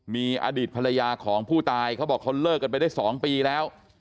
มีอดีตภรรยาของผู้ตายเขาบอกเขาเลิกกันไปได้๒ปีแล้ว